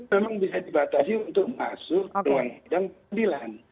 memang bisa dibatasi untuk masuk ke ruang sidang pengadilan